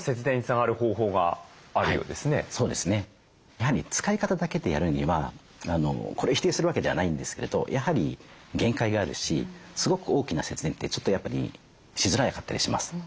やはり使い方だけでやるにはこれを否定するわけではないんですけどやはり限界があるしすごく大きな節電ってちょっとやっぱりしづらかったりします。